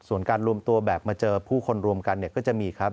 ส่วนการรวมตัวแบบมาเจอผู้คนรวมกันเนี่ยก็จะมีครับ